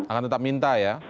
akan tetap minta ya